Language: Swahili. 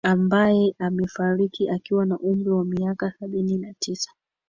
ambaye amefariki akiwa na umri wa miaka sabini na tisa